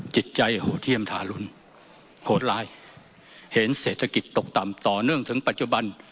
จิตใจโหดเยี่ยมทารุณโหดร้ายเห็นเศรษฐกิจตกต่ำต่อเนื่องถึงปัจจุบัน